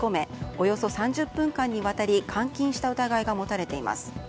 およそ３０分間にわたり監禁した疑いが持たれています。